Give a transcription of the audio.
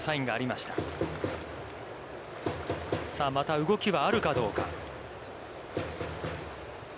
また動きはあるかどうか。